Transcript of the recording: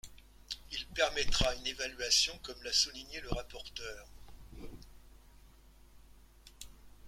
Il permettra une évaluation, comme l’a souligné le rapporteur.